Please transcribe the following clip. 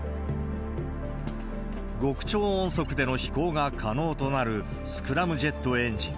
極超音速での飛行が可能となるスクラムジェットエンジン。